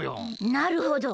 なるほど。